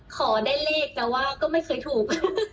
ขอได้เลขแต่ว่าก็ไม่เคยถูก